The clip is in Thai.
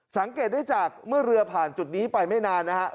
สังเกตได้จากเมื่อเรือผ่านจุดนี้ไปไม่นานนะครับ